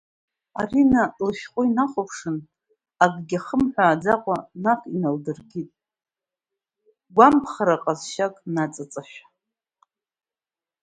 Арина лышәҟәы инахәаԥшын, акагьы ахымҳәааӡакәа, наҟ иналдыркит, гәамԥхара ҟазшьак наҵаҵашәа.